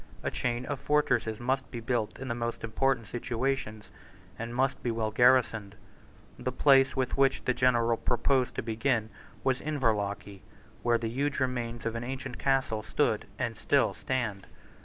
A chain of fortresses must be built in the most important situations, and must be well garrisoned. The place with which the general proposed to begin was Inverlochy, where the huge remains of an ancient castle stood and still stand.